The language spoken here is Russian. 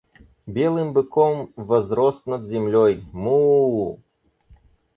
Белым быком возрос над землей: Муууу!